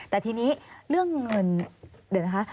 แต่ทีนี้เรื่องเงินเดี๋ยวนะคะ